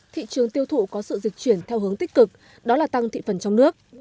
thị trường tiêu thụ có sự dịch chuyển theo hướng tích cực đó là tăng thị phần trong nước